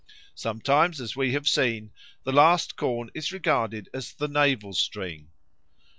Sometimes, as we have seen, the last corn is regarded as the navel string.